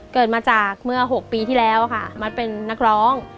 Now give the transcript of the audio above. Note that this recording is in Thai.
เกิดมาจากเมื่อ๖ปีที่แล้วค่ะมัดเป็นนักร้อง